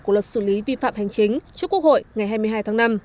của luật xử lý vi phạm hành chính trước quốc hội ngày hai mươi hai tháng năm